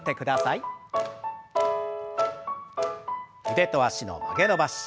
腕と脚の曲げ伸ばし。